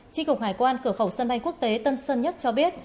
tri cục hải quan cửa khẩu sân bay quốc tế tân sơn nhất cho biết